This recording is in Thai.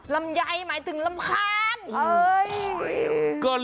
ลำไยหมายถึงรำคาญ